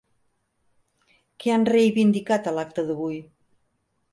Què han reivindicat a l'acte d'avui?